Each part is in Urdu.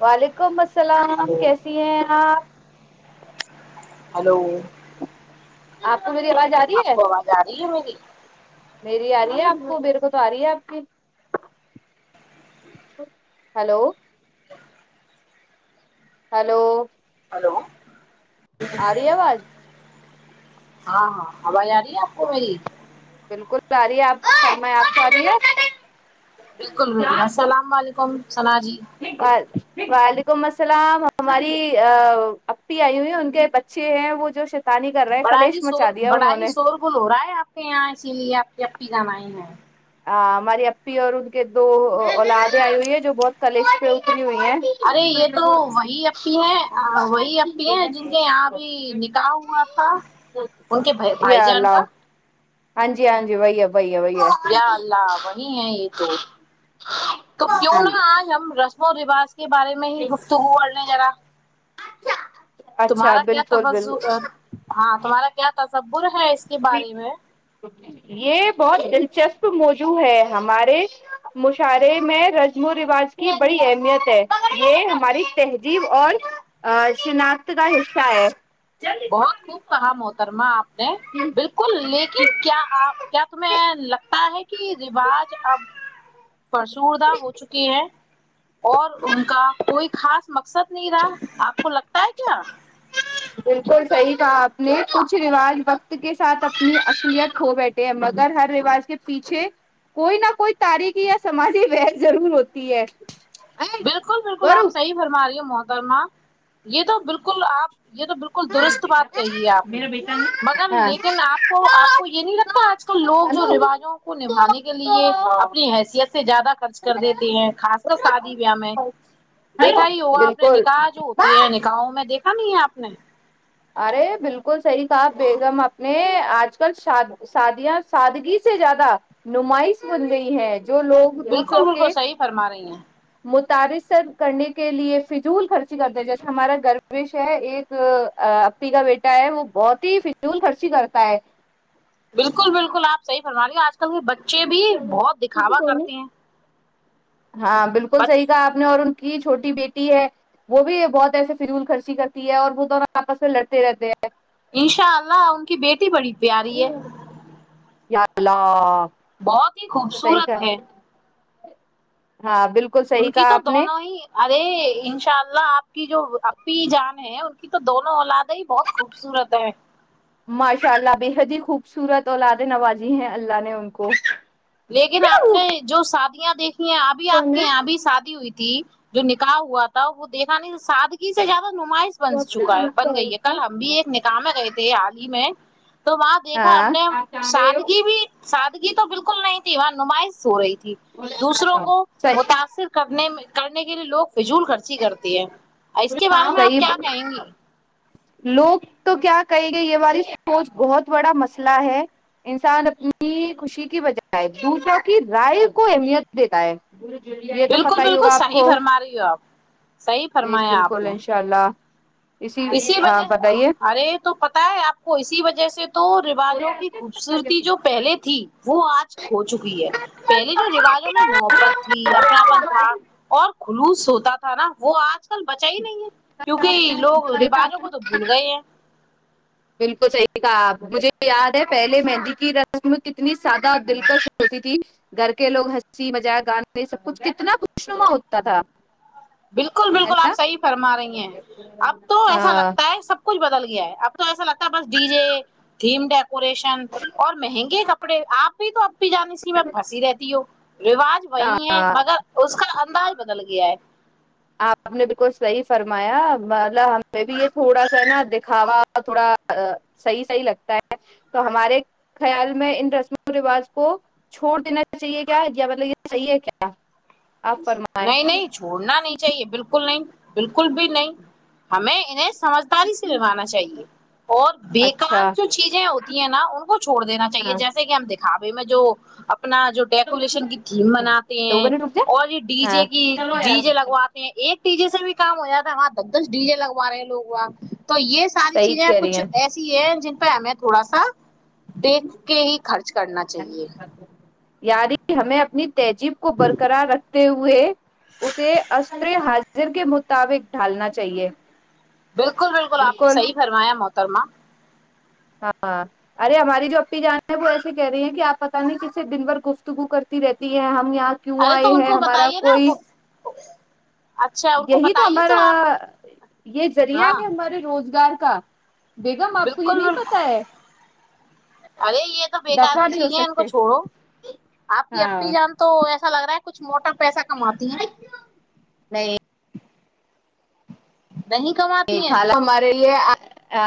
وعلیکم السلام ہلو کیسی ہیں آپ ہلو آاں میری آواز آ رہی آپ ہے کو آواز آ رہی ہے میری میری آ رہی آپ کو میرے کو تو آ رہی ہے آپ کی ہلو ہلو ہلو آ رہی آواز ہاں ہاں ہواز آ رہی ہے آپ کو میری بالکل آ رہی ہے آپ سم آپ سے آ رہی ہے بالکل بالکل السلام علیکم کم ب بال کو مسل ہماری اپی آئی ہوئی ان کے بچے ہیں وہ جو شیطانی کر رہے ہیں بڑا ہی کلیش شور مچا دیا بڑا انہوں ہی نے شور گن ہو رہا ہے آپ کے یہاں اسی لیے جب کی جانائی ہے ہماری اپی اور ان کے دو اولادیں آئی ہوئی ہے جو بہت کلش پہتی ارے یہ تو وہی ای ہیں وہی ای ہیں جن کے یہاں ابھی نکاح ہوا تھا ان کے بھائی یا جان اللہ کا ہاں جی ہاں جی بییا یا اللہ وہی ہے یہ تو تو کیوں نہا آج ہم رس وہ روج کے بارے میں ہے ہی گفتگو انے ذرا اچھا تمہارا کیا بالکل توج بالکل ہاں تمہارا کیا ت سب بر ہے ک کے بارے میں یہ بہت دلچسپ موجوع ہے ہمارے مشاعرے میں رسم و رواج کی بڑی اہمیت ہے یہ ہماری تہذیب اور شناخت کا حصہ ہے بہت خوب کہم ہوترما آپ بالکل لیکن کیا کیا تمہیں لگتا ہے کی رواج اب فرسوردہ ہو چکی ہے اور ان کا کوئی خاص مقصد نہیں رہا آپ کو لگتا ہے کیا بالکل صحیح کہ آپ نے کچھ رواج وقت کے ساتھ اپنی اصلیت کھو بیٹھے ہیں مگر ہر رواج کے پیچھے کوئی نہ کوئی تاریخی یا سماجی وحث ضرور ہوتی ہے بالکل بالکل گورو آپ صح فرما رہی ہو موت برما یہ تو بالکل آپ یہ تو بالکل درست بات کہی ہے آپ نے مگر ہاں لیکن آپ کو آپ کو یہ نہیں لگتا آج کل لوگ جو انو رواجوں کو نبھانے کے لیے اپنی حیثیت سے زیادہ خرچ کر دیتے ہیں خاص کر س میں دیکھا ہی ہوگا آپ نے بالکل نکاح جو ہوتے ہیں نکاحوں میں دیکھا نہیں آپ نے ارے بالکل کو صحیح کہا بیگم اپنے آج کل شادیاں سادگی سے زیادہ نمائش بن گئی ہے جو لوگ بالکل دوسروں بالکل کے صحیح فرما رہی ہیں متعارثر کرنے کے لیے فضول خرچی کرتے جیسے ہمارا گروش ہے ایک اپی کا بیٹا ہے وہ بہت ہی فضول خرچی کرتا ہے بالکل بالکل آپ صحی فرمانی ہو آج کل کے بچے بھی بہت دکھاوا کرتے ہیں ہاں بالکل صحی بچ کہا آپ نے اور کی چھوٹی بیٹی ہے وہ بھی بہت ایسے فضول خرچی کرتی ہے اور وہ تو آپس میں لڑتے رہتے ہیں انشاء اللہ ان کی بیٹی بڑی تھی پیاریے ال [inaudible] بہت ہی خوبصورت ہے ہاں بالکل ان صحیح کی کہا تو آپ نے دونوں ہی ارے انشاء اللہ آپ کی جو اپی جان ہے ان کی تو دونوں اولادیں ہی بہت خوبصورت ہے ماشاء اللہ بےحد ہی خوبصورت اولاد نوازی ہیں اللہ نے ان کو لیکن آپ نے جو شادیاں دیکھی ابھی آپ کے یہاں ابھی شادی ہوئی تھی تھی جو نکاح ہوا تھا وہ دیکھا نہیں سادگی سے زیادہ نمائش بن چکا ہے بن گئی ہے کل ہم بھی ایک نکا میں گئے تھے عال ہی میں تو وہاں دیکھا ہم ہاں نے سادگی بھی سادگی تو بالکل کل نہیں تھی وہاں نمائش ہو رہیھی ت دوسروں کو متاثر کرنے میں کرنے کے لیے لوگ فضول خرچی کرتی ہے اور اس کے بارے میں آپ صحیح کیا کہیں گی لوگ تو کیا کہیں گے یہ والاری سوچ بہت بڑا مسئلہ ہے انسان اپنی خوشی کی بجائے دوسروں کی رائے کو اہمیت دیتا ہے یہ تو بالکل پتا ہی بالکل ہوگا آپ صحیح کو بھرما رہی ہو آپ صحیح فرمایا آپ بالکل نے انشاء اللہ اسی وجہ بتائیے ارے تو پتا ہے آپ کو اسی وجہ سے تو رواجوں کی خوبصورتی جو پہلے تھی وہ آج کھو چکی ہے پہلے جو رواجوں میں محبت تھی اپناپن تھا اور کلوس ہوتا تھا تھا نا وہ آج بچا ہی نہیں ہے کیونکہ لوگ روجوں کو تو بھول گئے ہیں بالکل صحیح تھا مجھے یاد ہے پہلے مہندی کی رسم کتنی سادہ اور دلکش ہوتی تھی گھر کے لوگ ہنسی مزاق گانے سب کچھ کتنا خوشنما ہوتا تھا بالکل ہے بالکل آپ صحیح فرما رہی ہیں اب تو ایسا نا لگتا ہے سب کچھ بدل گیا ہے اب تو ایسا لگتا ہے بس ڈی جے تھھیم ڈپ ڈیکوریشن اور مہنگے کپڑے آپ بھی تو اب بھی جان س میں پھنسی رہتی ہوں رواج وہی ہے مگر اس کا انداز بدل گیا ہے آپ نے بالکل صحیح فرمایا مطلب ہمیں بھی یہ تھوڑا سا نا دکھاوا تھوڑا صحیح صحیح لگتا ہے تو ہمارے خیال میں ان رسم و رواج کو چھوڑ دینا چاہیے کیا یا مطلب یہ صحیح ہے کیا آپ فرمائیں نہیں نہیں چھوڑنا نہیں چاہیے بالکل نہیں بالکل بھی نہیں ہمیں انہیں سمجھداری سے لوانا چاہیے اور اچھا بےیکار جو چیزیں ہوتی ہیں نا ان کو چھوڑ دینا چاہیے ہاں جیسے کہ ہم دکھا رہ میں جو اپنا جو ڈیکوریشن کی تھیم بناتے دو ہیں منٹ رک جا اور یہ ڈی ہاں جے کی ڈی جے لگواتے ہیں ایک ڈی جے سے بھی کام ہو جاتا تھا وہاں دب دس ڈی جے لگواے لوگ وہاں تو یہ ساری صحیح چیزیں کہہ رہی ہیں کچھ ایسی ہیں جن پ میں تھوڑا سا دیکھ کے ہی خرچ کرنا چاہیے یاری ہمیں اپنی تہذیب کو برقرار رکھتے ہوئے پہے اسے اری حاض مر کے مطابق ڈھالنا چاہیے بالکل بالکل آپ نے صحیح فرمایا موت اترم ہاں ارے ہماری جو اپی جان ہے وہ ایسے کہہ رہی ہیں کہ آپ پت نہیں کس سے دن بھر گفتگو کرتی رہتی ہے ہم ہم یہاں کیوں ارے آئے تو ان ہیں کو ہمارا بتائیے کوئی نا اچھا ان کو یہی تو بتائیے ہمارا آپ یہ ذریعہ ہاں ہے ہمارے روزگار [unintelligible] آپ کو یہ بالکل نہیں بالکل پتا ہے ارے یہ تو بیکار دفع ہی نہیں ہو چیزیں ان کو سکتے چھوڑو آپ کی ہاں اپنی جان تو ایسا لگ رہا ہے کچھ موٹا پیسہ کماتی ہیں نہیں نہیں کماتی ہیں یہال ہمارے لیے آ ا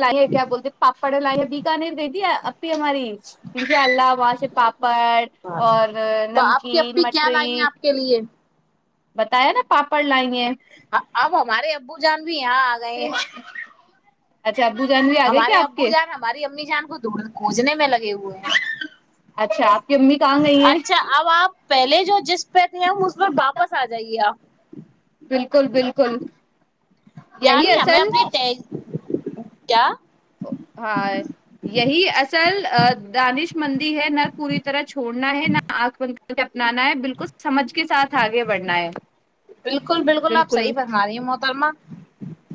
لائی ہے کیا بولتے پاپاڑا لائی ہے بیکان نہیںیر د د ہے ہماری ان اللہ وہاں سے پاپڑ ہاں اور تو آپ کی نمکین اپی کیا لائی ہیں مٹری آپ کے لیے بتایا نا پاپڑ لائیں اب ہمارے ابو جان بھی یہاں آ گئے اچھا ابو جانوی آ گئے کیا آپ کے دھجنے میں لگے ہوئے ہیں اچھا آپ کی امی کہاں گئی ہیں اچھا اب آپ پہلے جو جس پہ تھے ہم اس پر واپس آ جائیے آپ بالکل بالکل یہی یعنی ہمیں اصل اپنی کیا ہاں یہی اصل دانش مندی ہے نہ پوری طرح چھوڑنا ہے نہ آنکھ ونکھ اپنانا ہے بالکل سمجھ کے ساتھ آگے بڑھنا ہے بالکل بالکل آپ صحیح فرم رہی ہیں محترمہ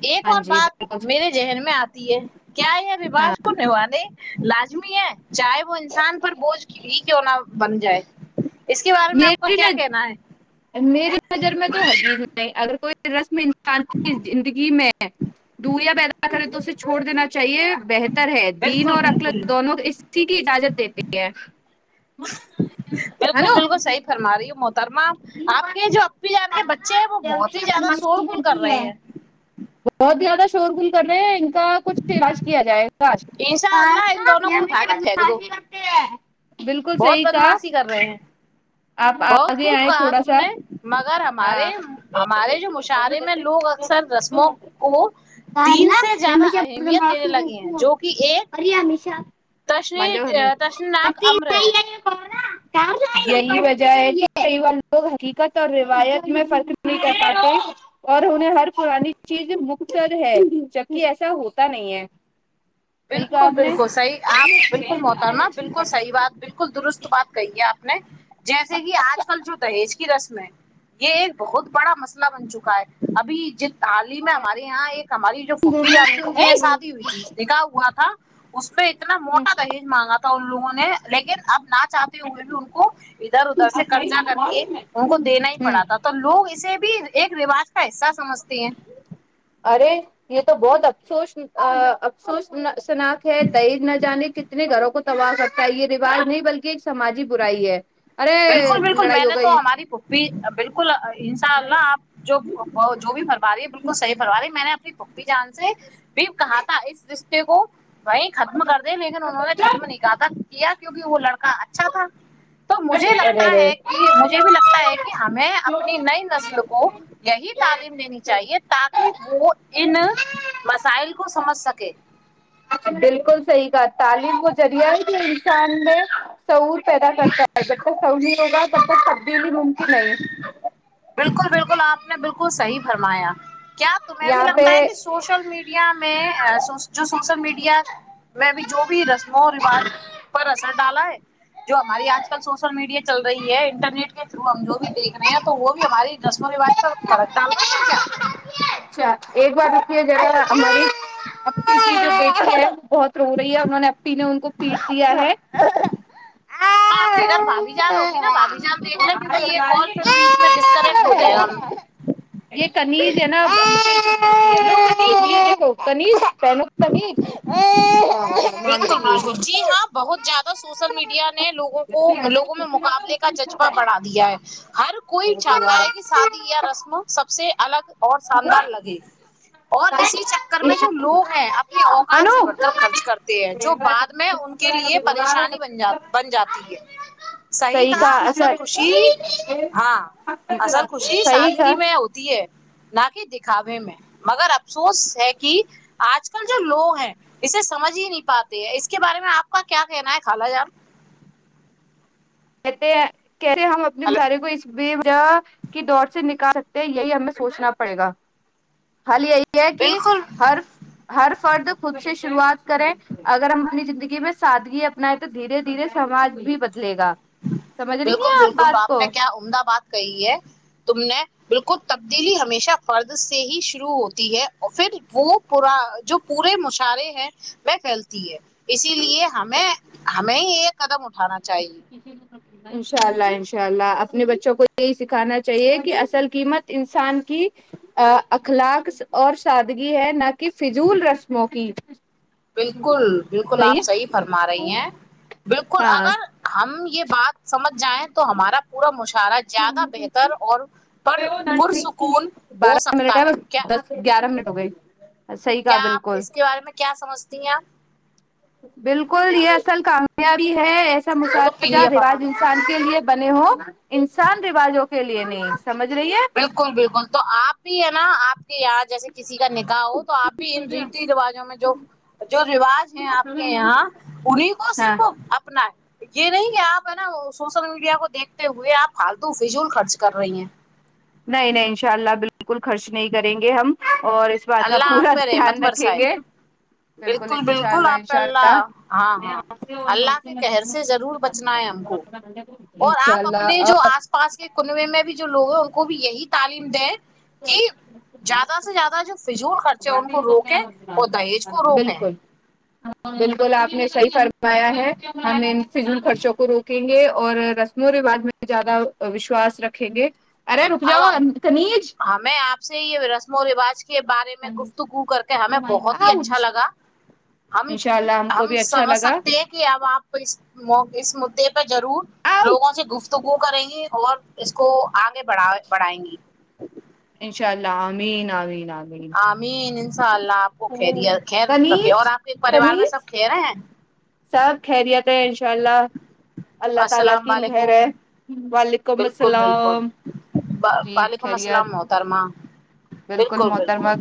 ایک ہاں اور جی بات بالکل میرے ذہن میں آتی ہے کیا ہے ا رواس ہاں کون نہیںو نہیں لازمی ہے چاہے وہ انسان پر بوجھ ہی کیوں نہ بن جائے اس کے بارے میں آپ کا میری کیا کہنا ہے ن میری نظر میں تو جی نہیں اگر کوئی رسم شان زندگی میں دور یا پید ے اسے چھوڑ دین چاہے بہتر ہے دین بالکل اور اکل بالکل دونوں اسی کی اجازت دیتے [unintelligible] [unintelligible] بالکل بالکلح فرم رہی ہے [unintelligible] ترم آپ کے جو ای جان کے بچے ہیں وہ بہت ہی زیادہ شور گل کر رہے ہیں بہت زیادہ شور گل کر رہے ہیں کچھج کیا جائےش بش انشاء اللہ ان دونوں کو اٹھا کے پھینک دو نہیں رتے ہیں [unintelligible] بالکل بہت صحیح کا بدماشی کر رہے ہیں [unintelligible] آپ بہت آگے خوب آئے کہا تھوڑا تم سا نے مگر ہمارے ہاں ہمارے جو مشاعرے میں لوگ اکثر رسموں کو تین سے زیادہ اہمیت دینے لگے ہیں جو کہ ایک تش مانجو ہنو تشناک امر ہے یہی وجہ ج ک والار لگ ٹھیک ہے تو رہے [unintelligible] روایت میں فرق نہیں کر پاتا اور انیں ہر پرانی چیز مختصر ہے جبک ایسا ہوتا نہیں ہے صحیح کہا بالکل آپ نے بالکل ہوں صحیح آپ بالکل محترماہ بالکل صحیح بات بالکل درست بات کہیے آپ جیسے کہ آج کل جو دہیج کی رسم ہے یہ ایک بہت بڑا مسئلہ بن چکا ہے ابھی جت تعلی میں ہمارے یہاں ایک ہماری جو پوفی جان تھی ان کے یہاں شادی ہوئی تھی نکا تھا اس پہ ایک [inaudible] اتنا موٹا دہیج مانگا تھا ان لوگوں نے لیکن اب نا چاہتے ہوئے بھی ان کو ادھر ادھر سے قرضہ کر کے ان کو دینا ہی ہوں پڑا تھا تو لوگ اسے ایک رواج کا حصہ سمجھتے ہیں ارے یہ تو بہت افسوس افسوس شناک ہے دہ نہ جانے کتنے گھروں کو تباہ ستا ہے یہ رواج نہیں بلکہ ایک سماجی برائی ہے ارے بالکل بالکل لڑائی میں ہو نے گئی تو ہماری پپھی بالکل انشاء اللہ آپ جو رہی ہے بالکل صحیح بھروای ہے میں نے اپنی پپھی جان سے بھی کہا تھا اس رشتے کو وہی ختم کر د لیکن انہوں نے ختم نہیں کہا تھا کیا کیونکہ وہ لڑکا اچھا تھا تو مجھے لگتا ارے ہے کہ مجھے بھی لگتا ہے کہ ہمیں اپنی نئی نسل کو یہی تعلیم دینی چاہیے تاکہ وہ ان مسائل کو سمجھ سک اوکے [unintelligible] بالکل صحیح کا تعلیم کا ذریعہ ہی کہ انسان میں سعور پیدا کرتا ہے جب تک سہی ہوگا تب تک تبدیلی ممکن نہیں بالکل بالکل آپ نے بالکل صحیح فرمایا کیا تمہیں بھی یہاں پہ لگتا ہے کہ سوشل میڈیا میں جو سوشل میڈیا میں بھی جو بھی رسموں رواج پر اثر ڈالا ہے جو ہماری آج کل سوشل میڈیا چل رہی ہے انٹرنیٹ کے ہم جو بھی دیکھے ہیں تو وہ بھی ماری دسمو روج [inaudible] پل رہا ہے کیا [unintelligible] ایک بار ر جا بہت و رہی ہے انہوں نے اپی نے ان کو پیس دیا ہے تو آپ کے گھر بھابھی جان ہوگی نا بھابھی جان دیکھ لیں کیونکہ یہ کال پھر بیچ میں ڈسکنیکٹ ہو جائے گا ہم یہ قنیز ہے نا کنیز پو قمیز بالکل بالکل جی ہاں بہت زیادہ سوشل میڈیا نے لوگوں کو لوگوں میں مقابلے کا جذبہ بڑھا دیا ہے ہر کوئی چاہتا ہے کہ ساتھ یا رسم سب سے الگ اور شاندار لگے اور اسی چکر میں جو لوگ ہیں اپنی اوقات انو سے بڑھ کر خرچ صحیح کرتے ہیں جو بعد میں ان کے لیے پریشانی بن جات بن جاتی ہے صحیح کہا اصل خوشی ہاں اصل خوشی صحیح کہا سادگی میں ہوتی ہے نہ کہ دکھاوے میں مگر افسوس ہے کہ آج کل جو لوگ ہیں اسے سمجھ ہی نہیں پاتے ہیں اس کے بارے میں آپ کا کیا کہنا ہے خال جان کہت کہ رہے ہم اپنے ہلو سارے کو اس ج کی دور سے نکال سکتے یہی ہمیں سوچنا پڑے گا حال یہی کہ بالکل ہر ہر فرد خود سے شروعات کریں اگر ہم اپنی زندگی میں سادگی اپنائیں تو دھیرے دھیرے سماج بھی بدلے گا سمجھ رہی بالکل ہیں بالکل بات آپ نے کیا کو عمدہ بات کہی ہے تم نے بالکل تبدیلی ہمیشہ فرد سے ہی شروع ہوتی ہے اور پھر وہ پورا جو پورے مشعرے ہے وہ پھیلتی ہے اسی اس لیے ہمیں ہم نہیں یہ قدم اٹ [unintelligible] کھانا چاہیے [unintelligible] انشاء اللہ [unintelligible] انشاء اللہ اپنے بچوں کو یہی سکھانا چاہیے کہ اصل قیمت انسان کی اخلاق اور سادگی ہے نہ کہ فضول رسموں کی بالکل بالکل صحیح آپ ہے صحی فرما رہی ہیں بالکل ہاں اگر ہم یہ بات سمجھ جائیں تو ہمارا پورا مشکل [unintelligible] ارا زیادہ بہتر اور پر پرسکون ہو بارہ منٹ سکتا ہے بس کیا دس گیارہ منٹ ہو گئے صحیح کیا کہا آپ بالکل اس کے بارے میں کیا سمجھ [unintelligible] دیا [unintelligible] بالکل یہ اصل کا [unintelligible] ا بھی ہے [unintelligible] وہ مسا تو پی جا لیا پاپا رواج نے انسان کے لیے بنے ہو انسان رواجوں کے لیے نہیں سمجھ رہی ہے بالکل بالکل تو آپ بھی ہے نا آپ کے یہاں جیسے کسی کا نکاح ہو تو آپ بھی ان ریتی رواجوں میں جو جو رواج ہیں آپ کے یہاں انہیں کو ہاں صرف اپنا ہے یہ نہیں کہ آپ ہے نا سوشل میڈیا کو دیکھتے ہوئے آپ فالتو فیزول خرچ کر رہی ہیں نہیں نہیں ان شاء اللہ بالکل خرچ نہیں کریں گے ہم اور اس بات کا اللہ آپ پورا پہ رحمت دھیان رکھیں برسائے گے بالکل انشاء بالکل اللہ آپ پہ انشاء اللہ ہاں ہاں اللہ کے کہر سے ضرور بچنا ہے ہم کو اور انشاء آپ اپنے اللہ جو آس پاس کے کنوے میں بھی جو لوگ ہیں ان کو بھی یہی تعلیم دیں کہ زیادہ سے زیادہ جو [inaudible] خرچے ان کو روکیں اور دہیج کو روکیں بالکل بالکل آپ نے صحیح فرمایا ہے ہم ان فضل خرچوں کو روکیں گے اور رسم و رواج میں زیادہ وشواس رکھیں گے ارے رک جاؤ سنیج میں آپ سے یہ رسم و روج کے بارے میں گفتگو کر کے ہمیں بہت ہی اچھا آؤچ لگا ہم انشاء اللہ کو ہم بھی اچھا سمجھ لگا سکتے ہیں کہ اب آپ اس اس مدے پہ ضرور لوگوں آؤچ سے گفتگو کریں گے اور اس کو آگ ے بڑ بڑھائیں گی انشاء اللہ امین آمین آین آمین انشاء اللہ آپ کو کیر رکھے اور کنیج آپ کے پریوار میں سب کنیز کہرے ہیں سب خیریت ہے انشاء اللہ اللہ تعالی السلام کی مہر ہے علیکم وعلیکم بالکل بالکل السلام وعلیکم السلام محترمہ بالکل بالکل